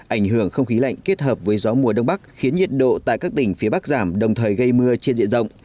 ảnh hưởng không khí lạnh kết hợp với gió mùa đông bắc khiến nhiệt độ tại các tỉnh phía bắc giảm đồng thời gây mưa trên diện rộng